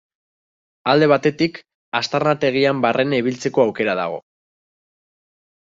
Alde batetik, aztarnategian barrena ibiltzeko aukera dago.